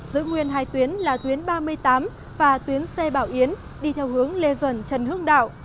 giữa nguyên hai tuyến là tuyến ba mươi tám và tuyến xe bảo yến đi theo hướng lê duẩn trần hương đạo